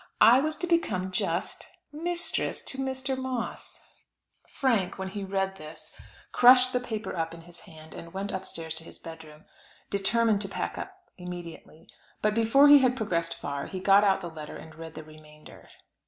I was to become just mistress to Mr. Moss. Frank Jones, when he read this, crushed the paper up in his hand and went upstairs to his bedroom, determined to pack up immediately. But before he had progressed far, he got out the letter and read the remainder.